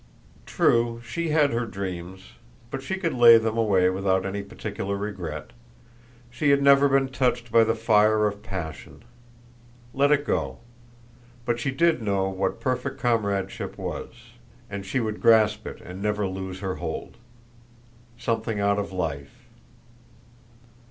True, she had her dreams; but she could lay them away without any particular regret. She had never been touched by the fire of passion. Let it go. But she did know what perfect comradeship was, and she would grasp it and never loose her hold. Something out of life.